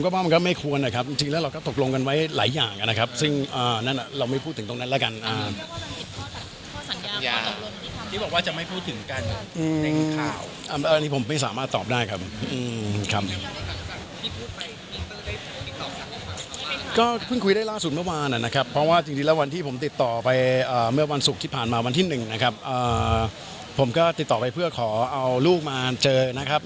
ก็เพิ่งคุยได้ล่าสุดเมื่อวานนะครับเพราะว่าจริงจริงแล้ววันที่ผมติดต่อไปเมื่อวันศุกร์ผ่านมาวันที่๑นะครับผมก็ติดต่อไปเพื่อขอเอาลูกมาเจอนะครับ